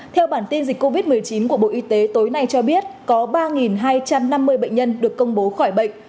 theo bản tin dịch covid một mươi chín của bộ y tế tối nay cho biết có ba hai trăm năm mươi bệnh nhân được công bố khỏi bệnh